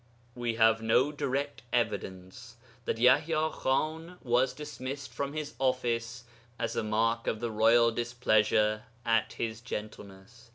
We have no direct evidence that Yaḥya Khan was dismissed from his office as a mark of the royal displeasure at his gentleness.